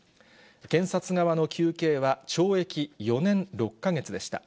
検察側の求刑は懲役４年６か月でした。